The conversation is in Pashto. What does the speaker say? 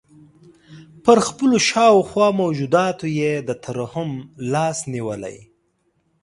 پر خپلو شاوخوا موجوداتو یې د ترحم لاس نیولی.